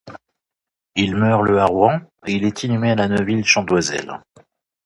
Il meurt le à Rouen et est inhumé à La Neuville-Chant-d'Oisel.